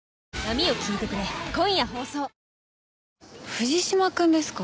藤島くんですか？